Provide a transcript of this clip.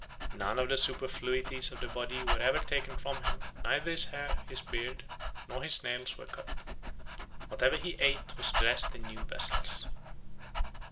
None of the superfluities of the body were ever taken from him, neither his hair, his beard, nor his nails were cut. Whatever he eat was dressed in new vessels."